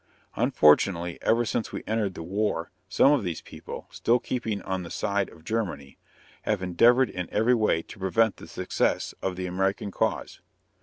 Unfortunately, ever since we entered the war some of these people, still keeping on the side of Germany, have endeavored in every way to prevent the success of the American cause.